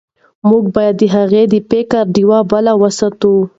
موږ باید د هغه د فکر ډیوې بلې وساتو.